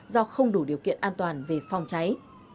do không đủ điều kiện an toàn về phòng cháy